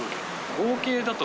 合計だと？